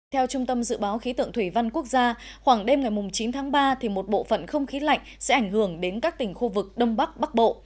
theo trung tâm dự báo khí tượng thủy văn quốc gia khoảng đêm ngày chín tháng ba thì một bộ phận không khí lạnh sẽ ảnh hưởng đến các tỉnh khu vực đông bắc bắc bộ